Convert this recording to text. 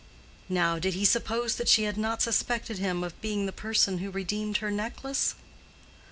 Now, did he suppose that she had not suspected him of being the person who redeemed her necklace?